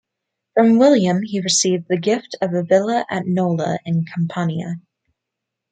From William he received the gift of a villa at Nola in Campania.